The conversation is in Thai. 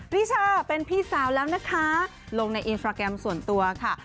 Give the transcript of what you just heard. วิชาเป็นพี่สาวแล้วนะคะลงในอินสตราแกรมส่วนตัวค่ะ